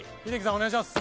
お願いします。